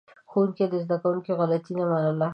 ښوونکي د زده کوونکو غلطي نه منله.